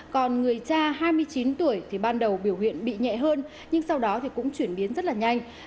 còn người cha hai mươi chín tuổi thì ban đầu biểu hiện bị nhẹ hơn nhưng sau đó thì cũng chuyển biến rất là nhanh